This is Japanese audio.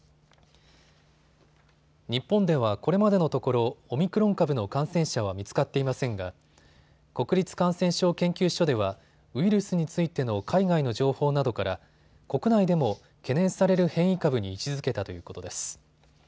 日本ではこれまでのところオミクロン株の感染者は見つかっていませんが国立感染症研究所ではウイルスについての海外の情報などから国内でも懸念される変異株に位置づけたということです。